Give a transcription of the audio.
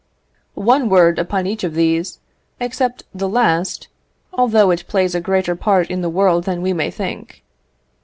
One word upon each of these, except the last, although it plays a greater part in the world than we may think.